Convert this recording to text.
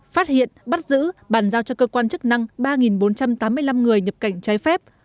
phát hiện bắt giữ bàn giao cho cơ quan chức năng ba bốn trăm tám mươi năm người nhập cảnh trái phép